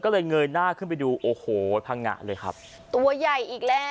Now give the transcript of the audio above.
ก็เลยเงยหน้าขึ้นไปดูโอ้โหพังงะเลยครับตัวใหญ่อีกแล้ว